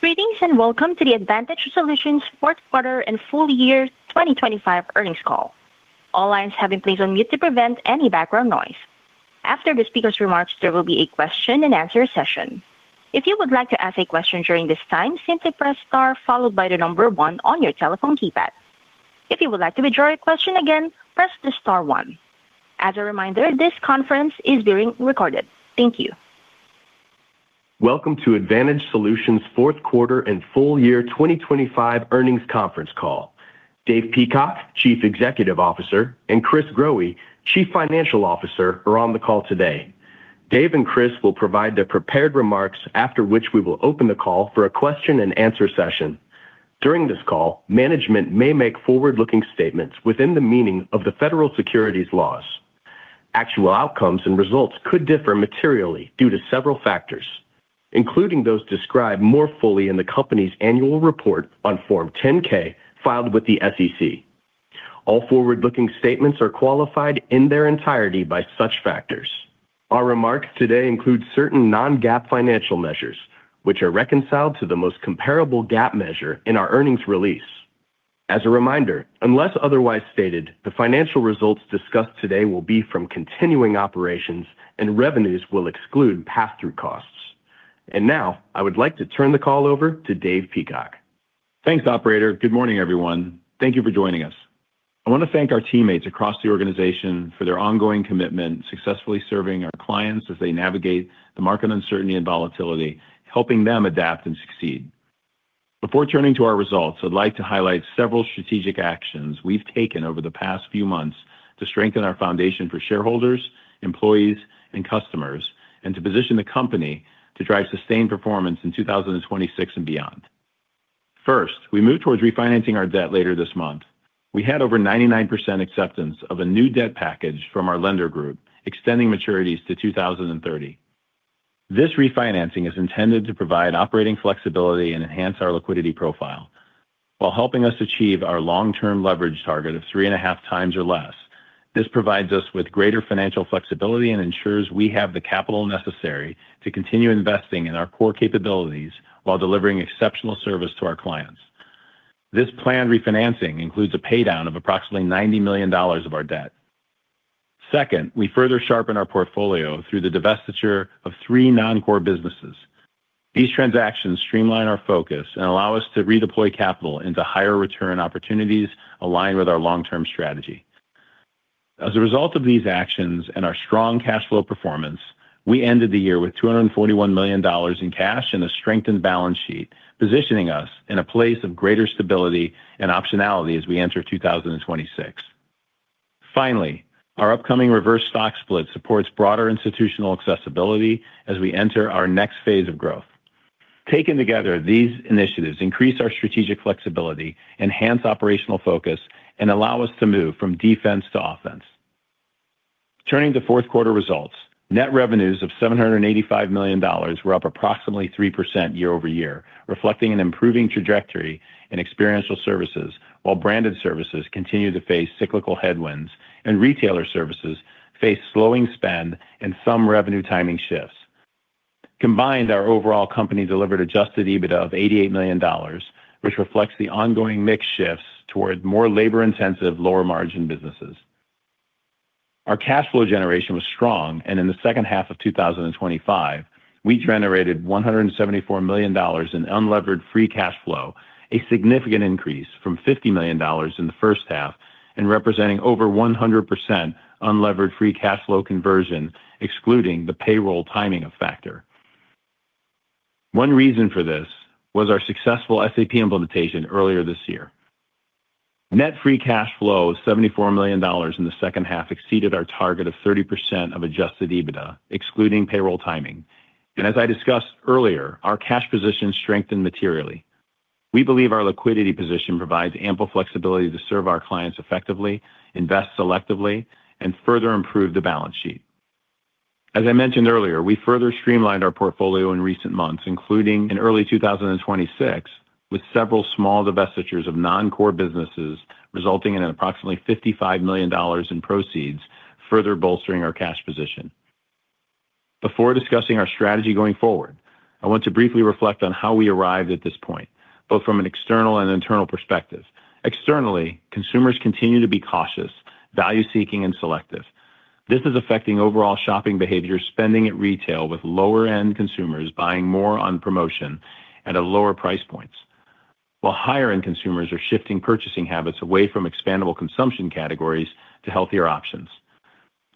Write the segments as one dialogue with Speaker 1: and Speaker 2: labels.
Speaker 1: Greetings, welcome to the Advantage Solutions Fourth Quarter and Full Year 2025 Earnings Call. All lines have been placed on mute to prevent any background noise. After the speaker's remarks, there will be a question-and-answer session. If you would like to ask a question during this time, simply press star followed by the number one on your telephone keypad. If you would like to withdraw your question again, press the star one. As a reminder, this conference is being recorded. Thank you. Welcome to Advantage Solutions fourth quarter and full year 2025 earnings conference call. Dave Peacock, Chief Executive Officer, and Chris Growe, Chief Financial Officer, are on the call today. Dave and Chris will provide their prepared remarks, after which we will open the call for a question-and-answer session. During this call, management may make forward-looking statements within the meaning of the federal securities laws. Actual outcomes and results could differ materially due to several factors, including those described more fully in the company's annual report on Form 10-K filed with the SEC. All forward-looking statements are qualified in their entirety by such factors. Our remarks today include certain non-GAAP financial measures, which are reconciled to the most comparable GAAP measure in our earnings release. As a reminder, unless otherwise stated, the financial results discussed today will be from continuing operations and revenues will exclude passthrough costs. Now I would like to turn the call over to Dave Peacock.
Speaker 2: Thanks, operator. Good morning, everyone. Thank Thank you for joining us. I want to thank our teammates across the organization for their ongoing commitment, successfully serving our clients as they navigate the market uncertainty and volatility, helping them adapt and succeed. Before turning to our results, I'd like to highlight several strategic actions we've taken over the past few months to strengthen our foundation for shareholders, employees, and customers, and to position the company to drive sustained performance in 2026 and beyond. First, we moved towards refinancing our debt later this month. We had over 99% acceptance of a new debt package from our lender group, extending maturities to 2030. This refinancing is intended to provide operating flexibility and enhance our liquidity profile while helping us achieve our long-term leverage target of 3.5x or less. This provides us with greater financial flexibility and ensures we have the capital necessary to continue investing in our core capabilities while delivering exceptional service to our clients. This planned refinancing includes a paydown of approximately $90 million of our debt. Second, we further sharpen our portfolio through the divestiture of three non-core businesses. These transactions streamline our focus and allow us to redeploy capital into higher return opportunities aligned with our long-term strategy. As a result of these actions and our strong cash flow performance, we ended the year with $241 million in cash and a strengthened balance sheet, positioning us in a place of greater stability and optionality as we enter 2026. Finally, our upcoming reverse stock split supports broader institutional accessibility as we enter our next phase of growth. Taken together, these initiatives increase our strategic flexibility, enhance operational focus, and allow us to move from defense to offense. Turning to fourth quarter results, net revenues of $785 million were up approximately 3% year-over-year, reflecting an improving trajectory in Experiential Services while Branded Services continue to face cyclical headwinds and Retailer Services face slowing spend and some revenue timing shifts. Combined, our overall company delivered Adjusted EBITDA of $88 million, which reflects the ongoing mix shifts toward more labor-intensive, lower margin businesses. Our cash flow generation was strong, and in the second half of 2025, we generated $174 million in unlevered free cash flow, a significant increase from $50 million in the first half and representing over 100% unlevered free cash flow conversion, excluding the payroll timing of factor. One reason for this was our successful SAP implementation earlier this year. Net free cash flow of $74 million in the second half exceeded our target of 30% of Adjusted EBITDA, excluding payroll timing. As I discussed earlier, our cash position strengthened materially. We believe our liquidity position provides ample flexibility to serve our clients effectively, invest selectively, and further improve the balance sheet. As I mentioned earlier, we further streamlined our portfolio in recent months, including in early 2026, with several small divestitures of non-core businesses resulting in approximately $55 million in proceeds, further bolstering our cash position. Before discussing our strategy going forward, I want to briefly reflect on how we arrived at this point, both from an external and internal perspective. Externally, consumers continue to be cautious, value-seeking, and selective. This is affecting overall shopping behavior, spending at retail with lower-end consumers buying more on promotion at lower price points. While higher-end consumers are shifting purchasing habits away from expandable consumption categories to healthier options.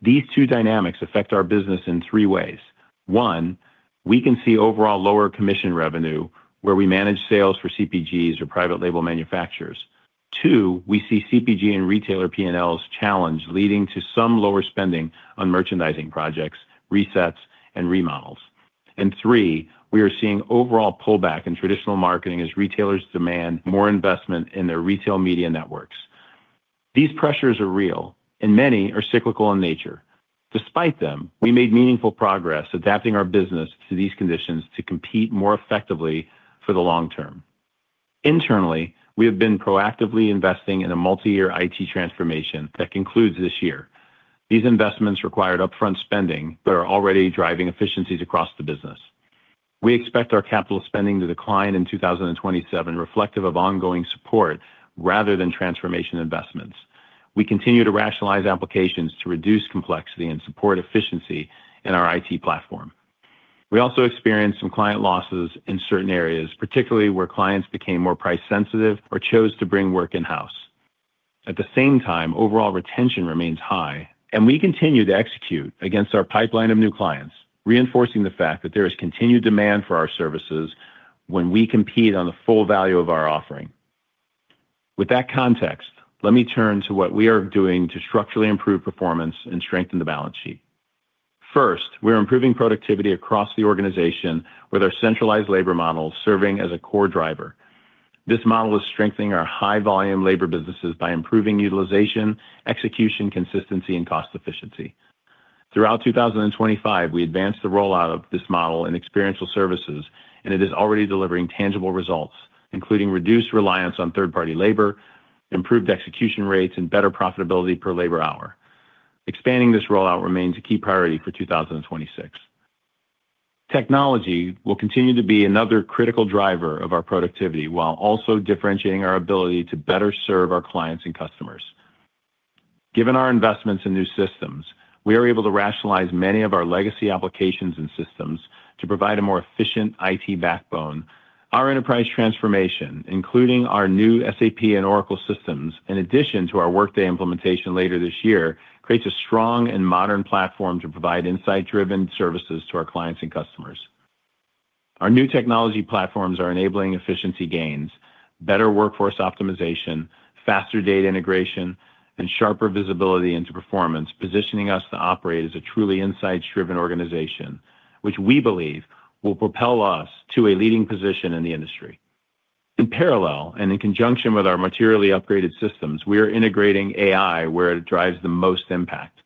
Speaker 2: These two dynamics affect our business in three ways. one, we can see overall lower commission revenue where we manage sales for CPGs or private label manufacturers. Two, we see CPG and retailer P&Ls challenge leading to some lower spending on merchandising projects, resets, and remodels. Three, we are seeing overall pullback in traditional marketing as retailers demand more investment in their retail media networks. These pressures are real, and many are cyclical in nature. Despite them, we made meaningful progress adapting our business to these conditions to compete more effectively for the long term. Internally, we have been proactively investing in a multi-year IT transformation that concludes this year. These investments required upfront spending but are already driving efficiencies across the business. We expect our capital spending to decline in 2027, reflective of ongoing support rather than transformation investments. We continue to rationalize applications to reduce complexity and support efficiency in our IT platform. We also experienced some client losses in certain areas, particularly where clients became more price sensitive or chose to bring work in-house. At the same time, overall retention remains high, and we continue to execute against our pipeline of new clients, reinforcing the fact that there is continued demand for our services when we compete on the full value of our offering. With that context, let me turn to what we are doing to structurally improve performance and strengthen the balance sheet. First, we are improving productivity across the organization with our centralized labor model serving as a core driver. This model is strengthening our high-volume labor businesses by improving utilization, execution, consistency, and cost efficiency. Throughout 2025, we advanced the rollout of this model in Experiential Services, and it is already delivering tangible results, including reduced reliance on third-party labor, improved execution rates, and better profitability per labor hour. Expanding this rollout remains a key priority for 2026. Technology will continue to be another critical driver of our productivity while also differentiating our ability to better serve our clients and customers. Given our investments in new systems, we are able to rationalize many of our legacy applications and systems to provide a more efficient IT backbone. Our enterprise transformation, including our new SAP and Oracle systems, in addition to our Workday implementation later this year, creates a strong and modern platform to provide insight-driven services to our clients and customers. Our new technology platforms are enabling efficiency gains, better workforce optimization, faster data integration, and sharper visibility into performance, positioning us to operate as a truly insight-driven organization, which we believe will propel us to a leading position in the industry. In parallel, and in conjunction with our materially upgraded systems, we are integrating AI where it drives the most impact.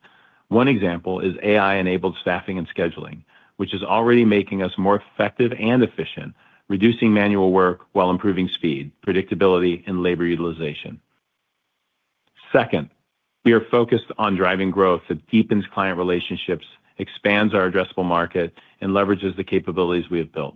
Speaker 2: One example is AI-enabled staffing and scheduling, which is already making us more effective and efficient, reducing manual work while improving speed, predictability, and labor utilization. Second, we are focused on driving growth that deepens client relationships, expands our addressable market, and leverages the capabilities we have built.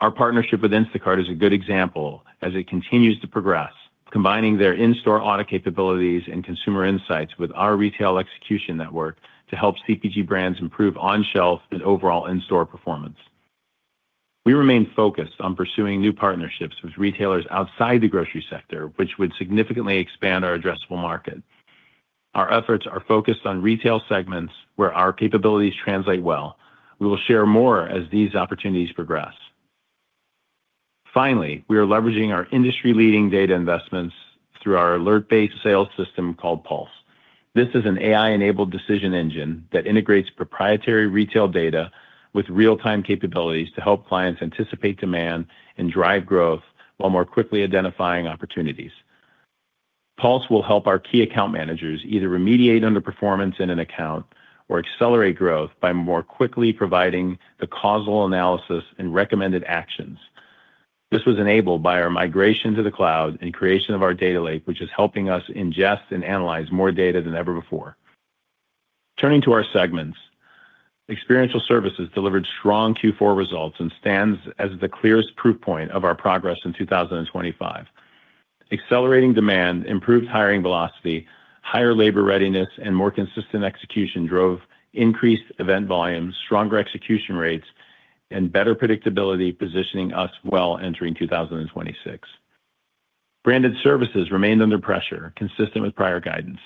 Speaker 2: Our partnership with Instacart is a good example as it continues to progress, combining their in-store audit capabilities and consumer insights with our retail execution network to help CPG brands improve on-shelf and overall in-store performance. We remain focused on pursuing new partnerships with retailers outside the grocery sector, which would significantly expand our addressable market. Our efforts are focused on retail segments where our capabilities translate well. We will share more as these opportunities progress. We are leveraging our industry-leading data investments through our alert-based sales system called Pulse. This is an AI-enabled decision engine that integrates proprietary retail data with real-time capabilities to help clients anticipate demand and drive growth while more quickly identifying opportunities. Pulse will help our key account managers either remediate underperformance in an account or accelerate growth by more quickly providing the causal analysis and recommended actions. This was enabled by our migration to the cloud and creation of our data lake, which is helping us ingest and analyze more data than ever before. Turning to our segments, Experiential Services delivered strong Q4 results and stands as the clearest proof point of our progress in 2025. Accelerating demand, improved hiring velocity, higher labor readiness, and more consistent execution drove increased event volumes, stronger execution rates, and better predictability, positioning us well entering 2026. Branded Services remained under pressure, consistent with prior guidance.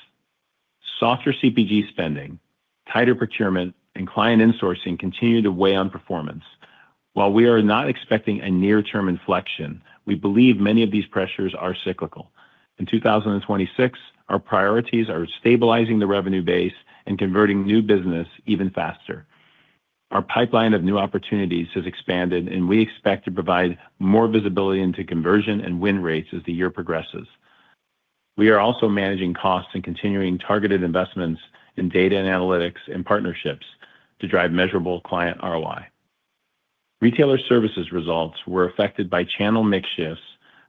Speaker 2: Softer CPG spending, tighter procurement, and client insourcing continued to weigh on performance. While we are not expecting a near-term inflection, we believe many of these pressures are cyclical. In 2026, our priorities are stabilizing the revenue base and converting new business even faster. Our pipeline of new opportunities has expanded, and we expect to provide more visibility into conversion and win rates as the year progresses. We are also managing costs and continuing targeted investments in data and analytics and partnerships to drive measurable client ROI. Retailer Services results were affected by channel mix shifts,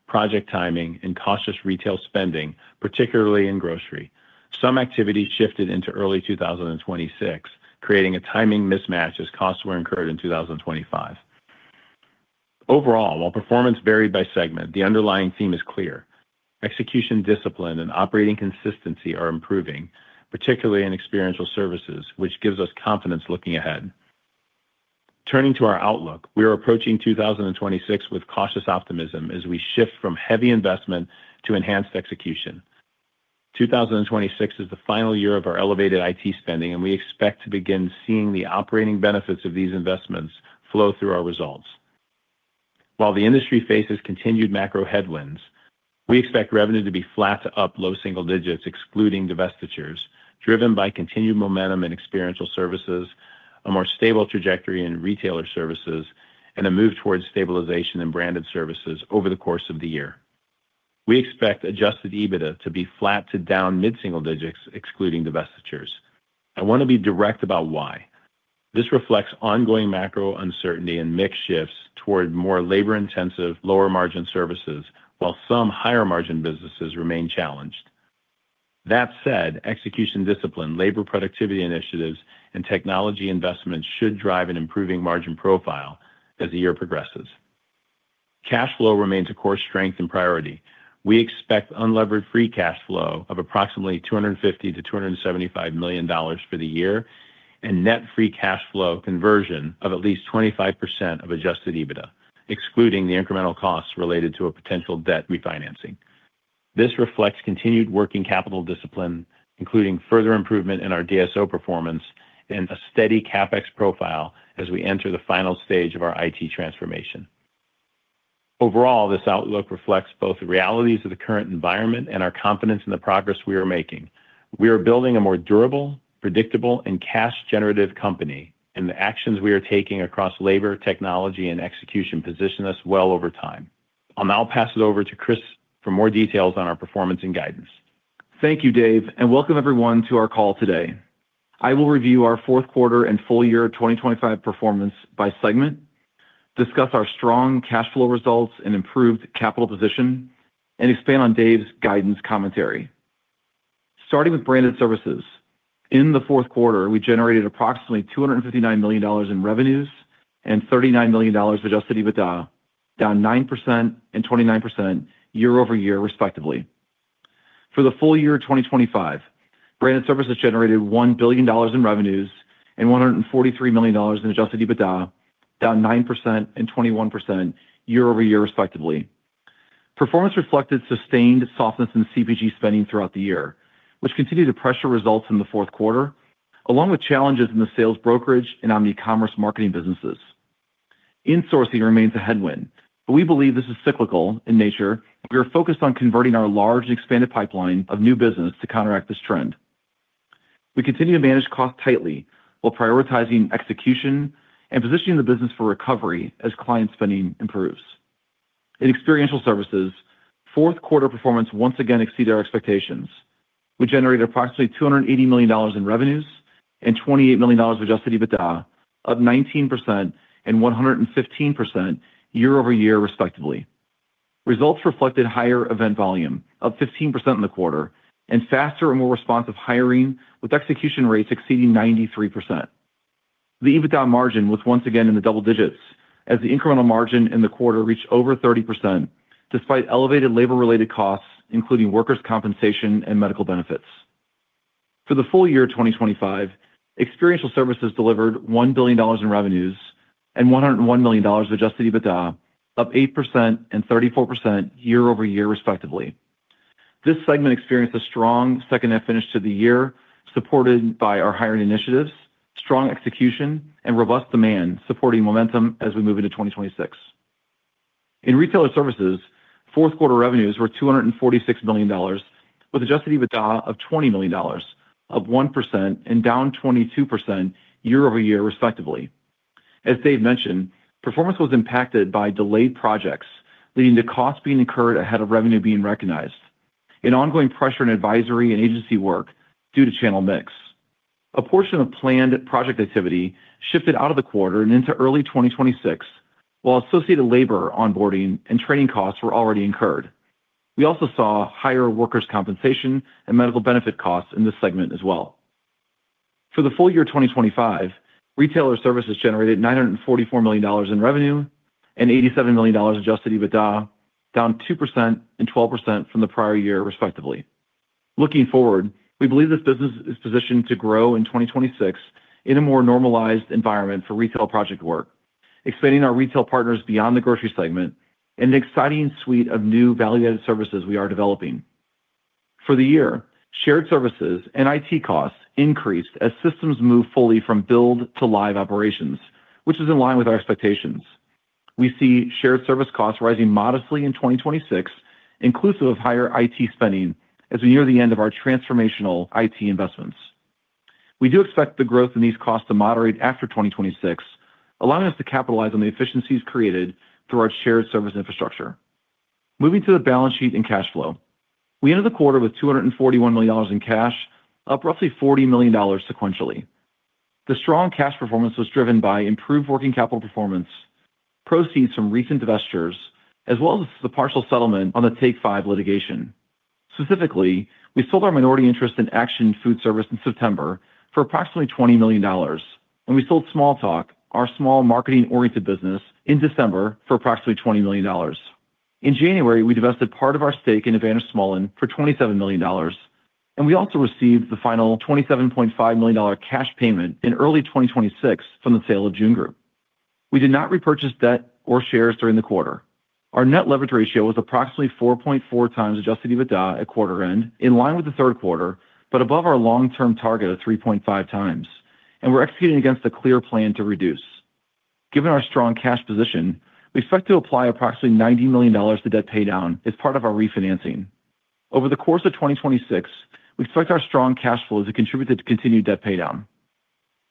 Speaker 2: project timing, and cautious retail spending, particularly in grocery. Some activity shifted into early 2026, creating a timing mismatch as costs were incurred in 2025. Overall, while performance varied by segment, the underlying theme is clear. Execution discipline and operating consistency are improving, particularly in Experiential Services, which gives us confidence looking ahead. Turning to our outlook, we are approaching 2026 with cautious optimism as we shift from heavy investment to enhanced execution. 2026 is the final year of our elevated IT spending, and we expect to begin seeing the operating benefits of these investments flow through our results. While the industry faces continued macro headwinds, we expect revenue to be flat to up low single digits, excluding divestitures, driven by continued momentum in Experiential Services, a more stable trajectory in Retailer Services, and a move towards stabilization in Branded Services over the course of the year. We expect Adjusted EBITDA to be flat to down mid-single digits excluding divestitures. I want to be direct about why. This reflects ongoing macro uncertainty and mix shifts toward more labor-intensive, lower-margin services while some higher-margin businesses remain challenged. That said, execution discipline, labor productivity initiatives, and technology investments should drive an improving margin profile as the year progresses. Cash flow remains a core strength and priority. We expect unlevered free cash flow of approximately $250 million-$275 million for the year and net free cash flow conversion of at least 25% of Adjusted EBITDA, excluding the incremental costs related to a potential debt refinancing. This reflects continued working capital discipline, including further improvement in our DSO performance and a steady CapEx profile as we enter the final stage of our IT transformation. Overall, this outlook reflects both the realities of the current environment and our confidence in the progress we are making. We are building a more durable, predictable, and cash-generative company, the actions we are taking across labor, technology, and execution position us well over time. I'll now pass it over to Chris for more details on our performance and guidance.
Speaker 3: Thank you, Dave. Welcome everyone to our call today. I will review our fourth quarter and full year 2025 performance by segment, discuss our strong cash flow results and improved capital position, and expand on Dave's guidance commentary. Starting with Branded Services. In the fourth quarter, we generated approximately $259 million in revenues and $39 million Adjusted EBITDA, down 9% and 29% year-over-year respectively. For the full year 2025, Branded Services generated $1 billion in revenues and $143 million in Adjusted EBITDA, down 9% and 21% year-over-year respectively. Performance reflected sustained softness in CPG spending throughout the year, which continued to pressure results in the fourth quarter, along with challenges in the sales brokerage and omnicommerce marketing businesses. Insourcing remains a headwind, but we believe this is cyclical in nature, and we are focused on converting our large and expanded pipeline of new business to counteract this trend. We continue to manage costs tightly while prioritizing execution and positioning the business for recovery as client spending improves. In Experiential Services, fourth quarter performance once again exceeded our expectations. We generated approximately $280 million in revenues and $28 million Adjusted EBITDA, up 19% and 115% year-over-year respectively. Results reflected higher event volume, up 15% in the quarter, and faster and more responsive hiring with execution rates exceeding 93%. The EBITDA margin was once again in the double digits as the incremental margin in the quarter reached over 30% despite elevated labor-related costs, including workers' compensation and medical benefits. For the full year 2025, Experiential Services delivered $1 billion in revenues and $101 million Adjusted EBITDA, up 8% and 34% year-over-year respectively. This segment experienced a strong second-half finish to the year supported by our hiring initiatives, strong execution, and robust demand supporting momentum as we move into 2026. In Retailer Services, fourth quarter revenues were $246 million with Adjusted EBITDA of $20 million, up 1% and down 22% year-over-year respectively. As Dave mentioned, performance was impacted by delayed projects leading to costs being incurred ahead of revenue being recognized and ongoing pressure in advisory and agency work due to channel mix. A portion of planned project activity shifted out of the quarter and into early 2026 while associated labor onboarding and training costs were already incurred. We also saw higher workers' compensation and medical benefit costs in this segment as well. For the full year 2025, Retailer Services generated $944 million in revenue and $87 million Adjusted EBITDA, down 2% and 12% from the prior year respectively. Looking forward, we believe this business is positioned to grow in 2026 in a more normalized environment for retail project work, expanding our retail partners beyond the grocery segment and an exciting suite of new value-added services we are developing. For the year, shared services and IT costs increased as systems move fully from build to live operations, which is in line with our expectations. We see shared service costs rising modestly in 2026, inclusive of higher IT spending as we near the end of our transformational IT investments. We do expect the growth in these costs to moderate after 2026, allowing us to capitalize on the efficiencies created through our shared service infrastructure. Moving to the balance sheet and cash flow. We ended the quarter with $241 million in cash, up roughly $40 million sequentially. The strong cash performance was driven by improved working capital performance, proceeds from recent divestitures, as well as the partial settlement on the Take 5 litigation. Specifically, we sold our minority interest in Acxion Foodservice in September for approximately $20 million, and we sold SmallTalk, our small marketing-oriented business, in December for approximately $20 million. In January, we divested part of our stake in Advantage Smollan for $27 million, and we also received the final $27.5 million cash payment in early 2026 from the sale of Jun Group. We did not repurchase debt or shares during the quarter. Our net leverage ratio was approximately 4.4x Adjusted EBITDA at quarter end, in line with the third quarter, but above our long-term target of 3.5x. We're executing against a clear plan to reduce. Given our strong cash position, we expect to apply approximately $90 million to debt paydown as part of our refinancing. Over the course of 2026, we expect our strong cash flows to contribute to continued debt paydown.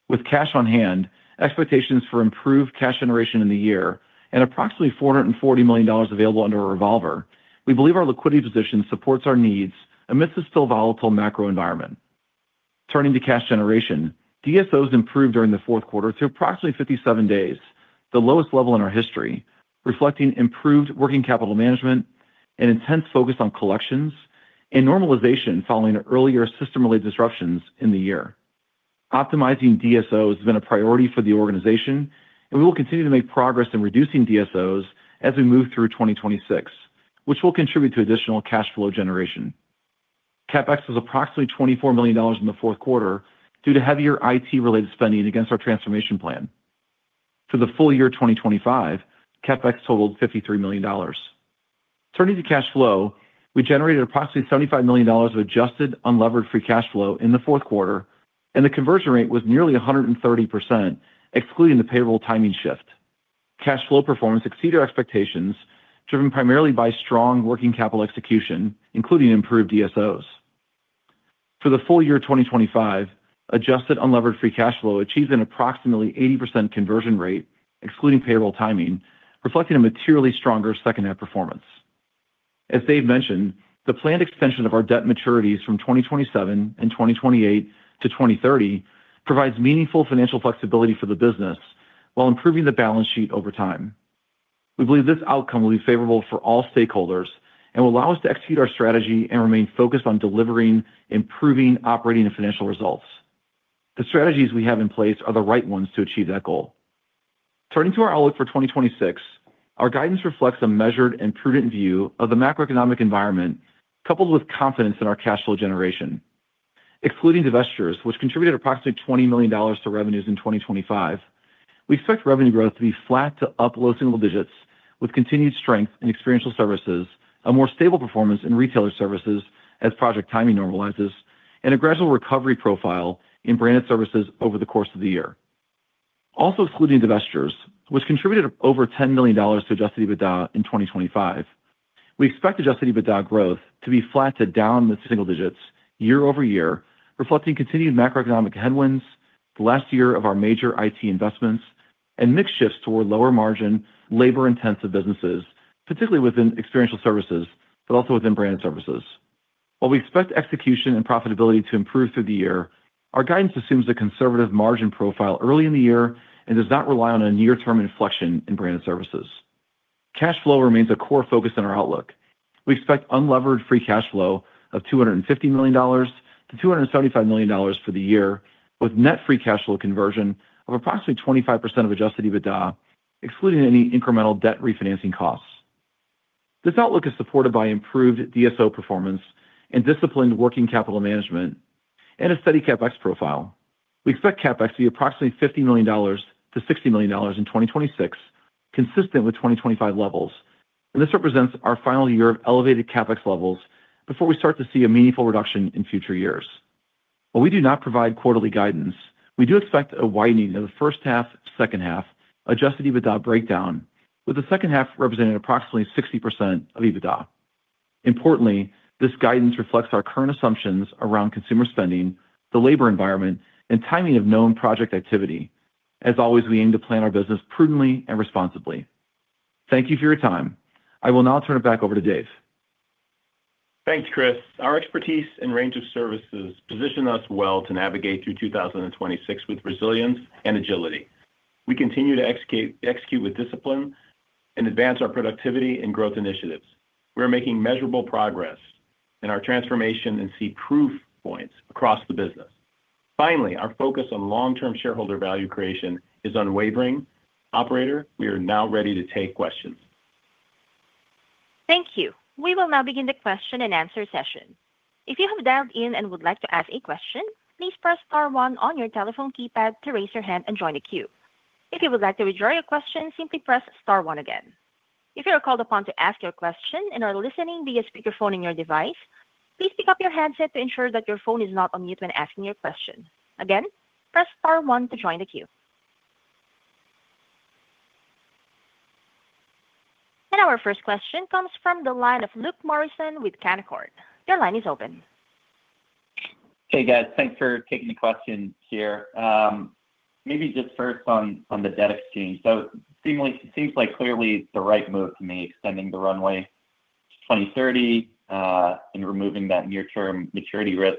Speaker 3: With cash on hand, expectations for improved cash generation in the year and approximately $440 million available under a revolver, we believe our liquidity position supports our needs amidst a still volatile macro environment. Turning to cash generation, DSOs improved during the fourth quarter to approximately 57 days, the lowest level in our history, reflecting improved working capital management and intense focus on collections and normalization following earlier system-related disruptions in the year. Optimizing DSO has been a priority for the organization, and we will continue to make progress in reducing DSOs as we move through 2026, which will contribute to additional cash flow generation. CapEx was approximately $24 million in the fourth quarter due to heavier IT-related spending against our transformation plan. For the full year 2025, CapEx totaled $53 million. Turning to cash flow, we generated approximately $75 million of adjusted unlevered free cash flow in the fourth quarter, and the conversion rate was nearly 130%, excluding the payroll timing shift. Cash flow performance exceeded our expectations, driven primarily by strong working capital execution, including improved DSOs. For the full year 2025, Adjusted unlevered free cash flow achieved an approximately 80% conversion rate, excluding payroll timing, reflecting a materially stronger second half performance. As Dave mentioned, the planned extension of our debt maturities from 2027 and 2028-2030 provides meaningful financial flexibility for the business while improving the balance sheet over time. We believe this outcome will be favorable for all stakeholders and will allow us to execute our strategy and remain focused on delivering, improving operating and financial results. The strategies we have in place are the right ones to achieve that goal. Turning to our outlook for 2026, our guidance reflects a measured and prudent view of the macroeconomic environment, coupled with confidence in our cash flow generation. Excluding divestitures, which contributed approximately $20 million to revenues in 2025, we expect revenue growth to be flat to up low single digits with continued strength in Experiential Services, a more stable performance in Retailer Services as project timing normalizes, and a gradual recovery profile in Branded Services over the course of the year. Excluding divestitures, which contributed over $10 million to Adjusted EBITDA in 2025, we expect Adjusted EBITDA growth to be flat to down mid-single digits year-over-year, reflecting continued macroeconomic headwinds, the last year of our major IT investments and mix shifts toward lower margin, labor-intensive businesses, particularly within Experiential Services, but also within Branded Services. We expect execution and profitability to improve through the year, our guidance assumes a conservative margin profile early in the year and does not rely on a near-term inflection in Branded Services. Cash flow remains a core focus in our outlook. We expect unlevered free cash flow of $250 million-$275 million for the year, with net free cash flow conversion of approximately 25% of Adjusted EBITDA, excluding any incremental debt refinancing costs. This outlook is supported by improved DSO performance and disciplined working capital management and a steady CapEx profile. We expect CapEx to be approximately $50 million-$60 million in 2026, consistent with 2025 levels. This represents our final year of elevated CapEx levels before we start to see a meaningful reduction in future years. While we do not provide quarterly guidance, we do expect a widening of the first half, second half Adjusted EBITDA breakdown, with the second half representing approximately 60% of EBITDA. Importantly, this guidance reflects our current assumptions around consumer spending, the labor environment, and timing of known project activity. As always, we aim to plan our business prudently and responsibly. Thank you for your time. I will now turn it back over to Dave.
Speaker 2: Thanks, Chris. Our expertise and range of services position us well to navigate through 2026 with resilience and agility. We continue to execute with discipline and advance our productivity and growth initiatives. We are making measurable progress in our transformation and see proof points across the business. Finally, our focus on long-term shareholder value creation is unwavering. Operator, we are now ready to take questions.
Speaker 1: Thank you. We will now begin the question-and-answer session. If you have dialed in and would like to ask a question, please press star one on your telephone keypad to raise your hand and join the queue. If you would like to withdraw your question, simply press star one again. If you are called upon to ask your question and are listening via speakerphone in your device, please pick up your handset to ensure that your phone is not on mute when asking your question. Again, press star one to join the queue. Our first question comes from the line of Luke Morison with Canaccord. Your line is open.
Speaker 4: Hey, guys. Thanks for taking the questions here. Maybe just first on the debt exchange. Seems like clearly it's the right move to me, extending the runway to 2030 and removing that near-term maturity risk.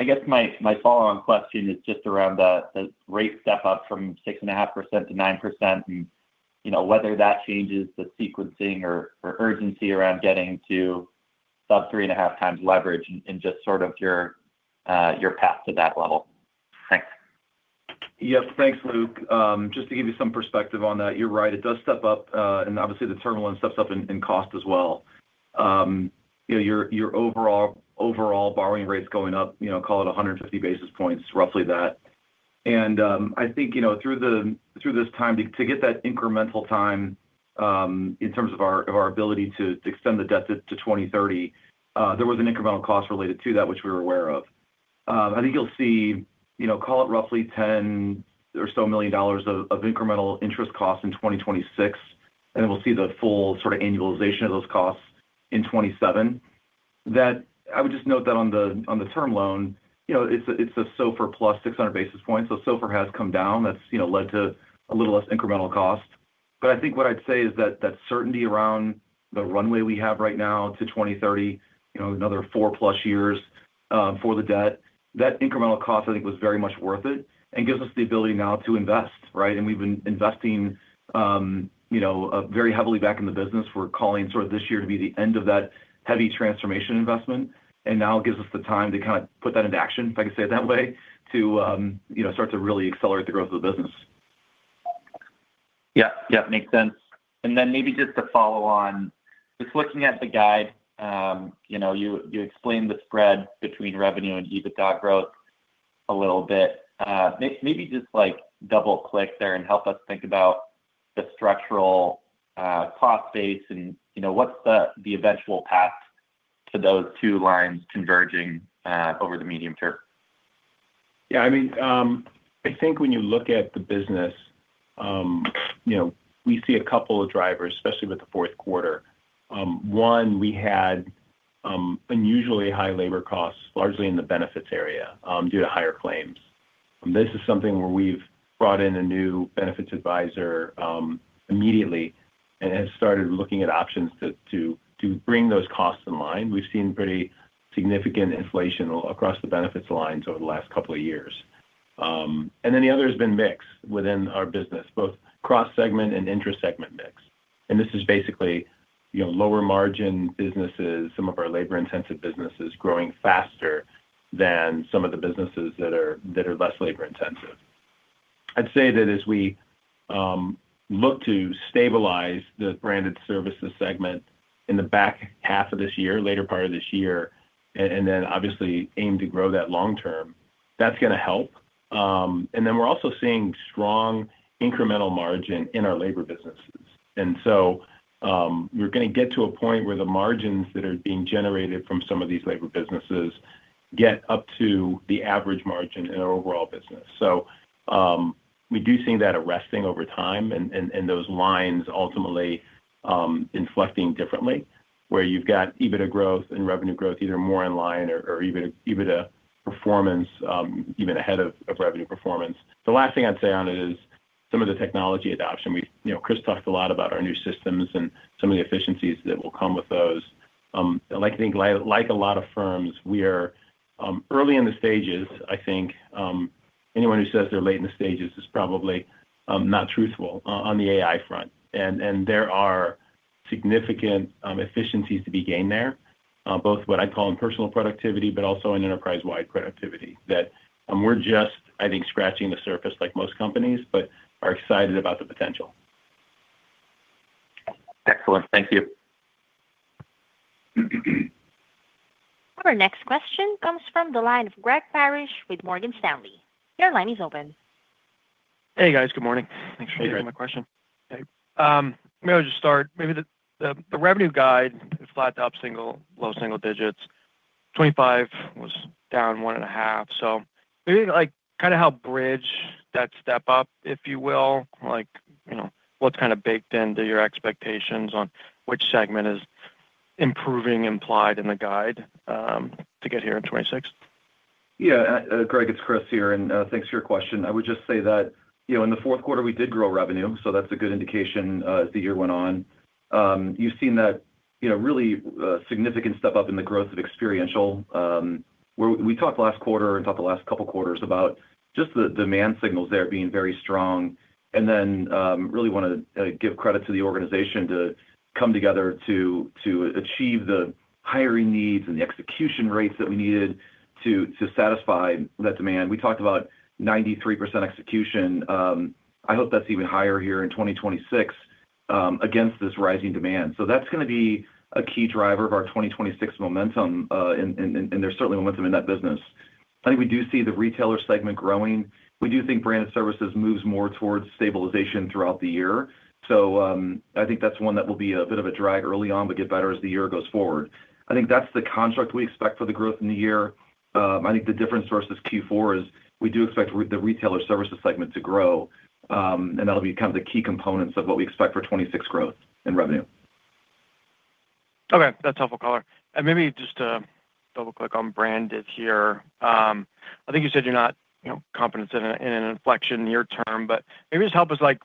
Speaker 4: I guess my follow-on question is just around the rate step up from 6.5%-9% and, you know, whether that changes the sequencing or urgency around getting to sub 3.5x leverage and just sort of your path to that level. Thanks.
Speaker 2: Yes. Thanks, Luke. Just to give you some perspective on that, you're right, it does step up, and obviously the term loan steps up in cost as well. You know, your overall borrowing rates going up, you know, call it 150 basis points, roughly that. I think, you know, through this time to get that incremental time, in terms of our ability to extend the debt to 2030, there was an incremental cost related to that which we were aware of. I think you'll see, you know, call it roughly $10 or so million of incremental interest costs in 2026, and then we'll see the full sort of annualization of those costs in 2027. I would just note that on the term loan, you know, it's a SOFR plus 600 basis points. SOFR has come down. That's, you know, led to a little less incremental cost. I think what I'd say is that that certainty around the runway we have right now to 2030, you know, another four-plus years for the debt, that incremental cost, I think, was very much worth it and gives us the ability now to invest, right? We've been investing, you know, very heavily back in the business. We're calling sort of this year to be the end of that heavy transformation investment. Now it gives us the time to kind of put that into action, if I could say it that way, to, you know, start to really accelerate the growth of the business.
Speaker 4: Yeah. Yeah, makes sense. Maybe just to follow on, just looking at the guide, you know, you explained the spread between revenue and EBITDA growth a little bit. Maybe just, like, double-click there and help us think about the structural cost base and, you know, what's the eventual path to those two lines converging over the medium term?
Speaker 2: Yeah, I mean, I think when you look at the business, you know, we see a couple of drivers, especially with the fourth quarter. One, we had unusually high labor costs, largely in the benefits area, due to higher claims. This is something where we've brought in a new benefits advisor immediately and have started looking at options to bring those costs in line. We've seen pretty significant inflation across the benefits lines over the last couple of years. Then the other has been mix within our business, both cross-segment and intra-segment mix. This is basically, you know, lower margin businesses, some of our labor-intensive businesses growing faster than some of the businesses that are less labor-intensive. I'd say that as we look to stabilize the Branded Services segment in the back half of this year, later part of this year, and then obviously aim to grow that long term, that's gonna help. We're also seeing strong incremental margin in our labor businesses. We're gonna get to a point where the margins that are being generated from some of these labor businesses get up to the average margin in our overall business. We do see that arresting over time and those lines ultimately inflecting differently, where you've got EBITDA growth and revenue growth either more in line or even EBITDA performance even ahead of revenue performance. The last thing I'd say on it is some of the technology adoption. You know, Chris talked a lot about our new systems and some of the efficiencies that will come with those. like, I think, like a lot of firms, we are, early in the stages. I think, anyone who says they're late in the stages is probably, not truthful on the AI front. There are significant efficiencies to be gained there, both what I call in personal productivity, but also in enterprise-wide productivity, that, and we're just, I think, scratching the surface like most companies, but are excited about the potential.
Speaker 4: Excellent. Thank you.
Speaker 1: Our next question comes from the line of Greg Parrish with Morgan Stanley. Your line is open.
Speaker 5: Hey, guys. Good morning.
Speaker 2: Hey, Greg.
Speaker 5: Thanks for taking my question. Okay, maybe I'll just start. Maybe the revenue guide is flat to up single, low single digits. 2025 was down 1.5%. Maybe, like, kind of how bridge that step up, if you will, like, you know, what's kind of baked into your expectations on which segment is improving implied in the guide, to get here in 2026?
Speaker 3: Gregory, it's Chris here, thanks for your question. I would just say that, you know, in the fourth quarter, we did grow revenue, that's a good indication as the year went on. You've seen that, you know, really significant step up in the growth of Experiential, where we talked last quarter and talked the last couple quarters about just the demand signals there being very strong. Really wanna give credit to the organization to come together to achieve the hiring needs and the execution rates that we needed to satisfy that demand. We talked about 93% execution. I hope that's even higher here in 2026 against this rising demand. That's gonna be a key driver of our 2026 momentum, and there's certainly momentum in that business. I think we do see the retailer segment growing. We do think Branded Services moves more towards stabilization throughout the year. I think that's one that will be a bit of a drag early on, but get better as the year goes forward. I think that's the construct we expect for the growth in the year. I think the difference versus Q4 is we do expect the Retailer Services segment to grow, and that'll be kind of the key components of what we expect for 2026 growth in revenue.
Speaker 5: That's helpful, caller. Maybe just to double-click on branded here. I think you said you're not, you know, confident in a, in an inflection near term, but maybe just help us, like,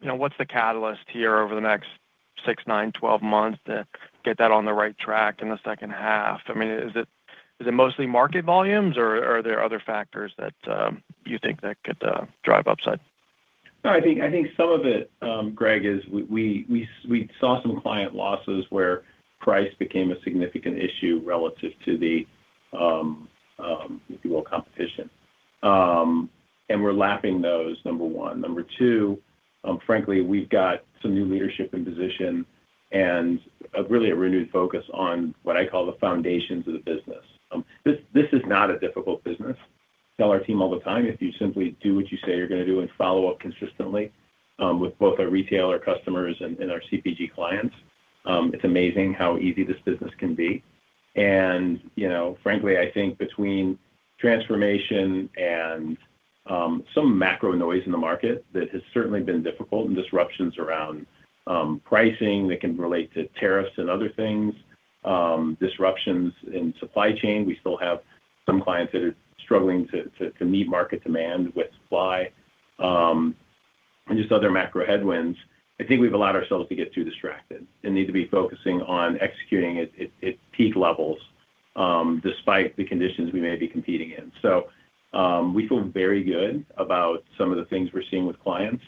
Speaker 5: you know, what's the catalyst here over the next six, nine, 12 months to get that on the right track in the second half? I mean, is it, is it mostly market volumes, or are there other factors that you think that could drive upside?
Speaker 2: No, I think some of it, Greg, is we saw some client losses where price became a significant issue relative to the, if you will, competition. We're lapping those, number one. Number two, frankly, we've got some new leadership in position and a really a renewed focus on what I call the foundations of the business. This is not a difficult business. Tell our team all the time, if you simply do what you say you're gonna do and follow up consistently, with both our retailer customers and our CPG clients, it's amazing how easy this business can be. You know, frankly, I think between transformation, some macro noise in the market that has certainly been difficult and disruptions around pricing that can relate to tariffs and other things, disruptions in supply chain. We still have some clients that are struggling to meet market demand with supply, and just other macro headwinds. I think we've allowed ourselves to get too distracted and need to be focusing on executing at peak levels, despite the conditions we may be competing in. We feel very good about some of the things we're seeing with clients,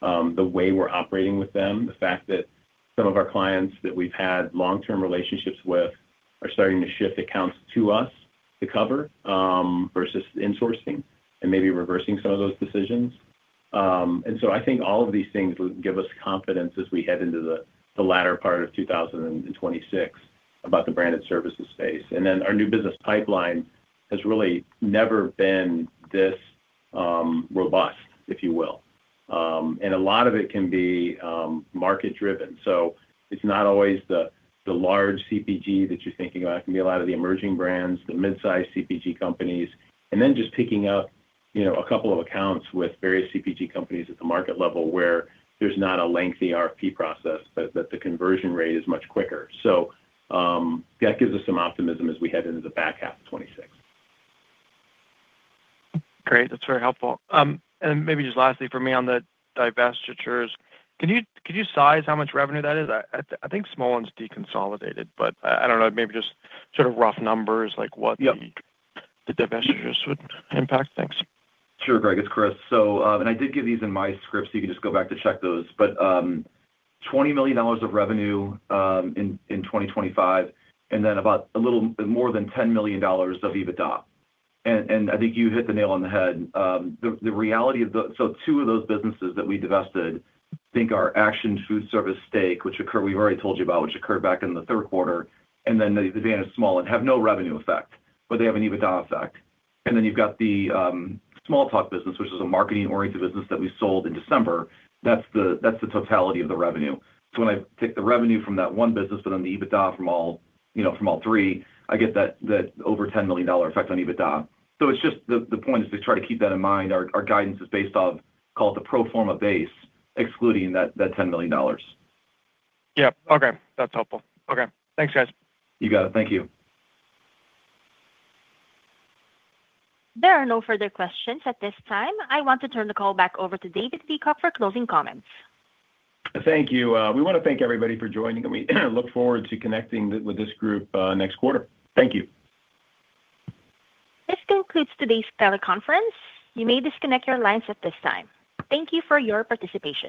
Speaker 2: the way we're operating with them, the fact that some of our clients that we've had long-term relationships with are starting to shift accounts to us to cover versus insourcing and maybe reversing some of those decisions. I think all of these things will give us confidence as we head into the latter part of 2026 about the Branded Services space. Our new business pipeline has really never been this robust, if you will. A lot of it can be market-driven. It's not always the large CPG that you're thinking about. It can be a lot of the emerging brands, the mid-size CPG companies. Just picking up, you know, a couple of accounts with various CPG companies at the market level where there's not a lengthy RFP process, but that the conversion rate is much quicker. That gives us some optimism as we head into the back half of 2026.
Speaker 5: Great. That's very helpful. Then maybe just lastly from me on the divestitures, can you size how much revenue that is? I think Smollan's deconsolidated, but I don't know, maybe just sort of rough numbers, like what the.
Speaker 2: Yep.
Speaker 5: The divestitures would impact. Thanks.
Speaker 3: Sure, Greg. It's Chris. I did give these in my script, so you can just go back to check those. $20 million of revenue in 2025, and then about a little more than $10 million of EBITDA. I think you hit the nail on the head. The reality of the two of those businesses that we divested, I think our Acxion Foodservice stake, we've already told you about, which occurred back in the third quarter, and then the Advantage Smollan have no revenue effect, but they have an EBITDA effect. You've got the SmallTalk business, which is a marketing-oriented business that we sold in December. That's the totality of the revenue. When I take the revenue from that one business, but on the EBITDA from all, you know, from all three, I get that over $10 million effect on EBITDA. It's just the point is to try to keep that in mind. Our guidance is based off, call it the pro forma base, excluding that $10 million.
Speaker 5: Yeah. Okay. That's helpful. Okay. Thanks, guys.
Speaker 3: You got it. Thank you.
Speaker 1: There are no further questions at this time. I want to turn the call back over to David Peacock for closing comments.
Speaker 2: Thank you. We wanna thank everybody for joining, we look forward to connecting with this group, next quarter. Thank you.
Speaker 1: This concludes today's teleconference. You may disconnect your lines at this time. Thank you for your participation.